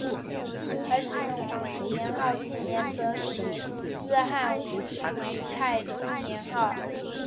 而使用皇帝年号纪年则始自汉武帝太初年号。